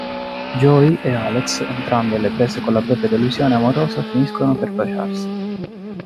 Joey e Alex, entrambi alle prese con la propria delusione amorosa finiscono per baciarsi.